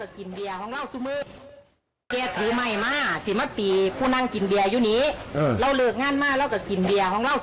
กูเย้เวทเมียไอ้มันบ่ฟังบ่ฟังแล้วมันจะตีเรา